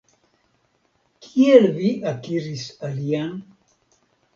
Kiel vi akiris alian?